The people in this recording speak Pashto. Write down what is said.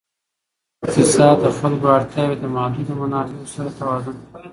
اقتصاد د خلکو اړتیاوې د محدودو منابعو سره توازن کوي.